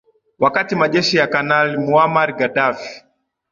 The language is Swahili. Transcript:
wakati majeshi ya kanali muammar gaddafi